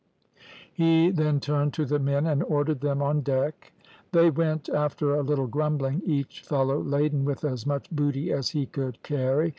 "He then turned to the men and ordered them on deck. They went after a little grumbling, each fellow laden with as much booty as he could carry.